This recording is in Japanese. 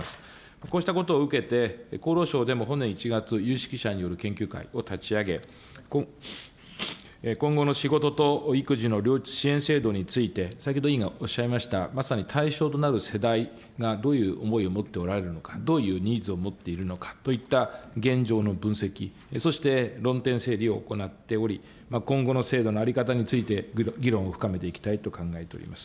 こうしたことを受けて、厚労省でも本年１月、有識者による研究会を立ち上げ、今後の仕事と育児の両立支援制度について、先ほど委員がおっしゃいました、まさに対象となる世代がどういう思いを持っておられるのか、どういうニーズを持っているのかといった現状の分析、そして論点整理を行っており、今後の制度の在り方について議論を深めていきたいと考えております。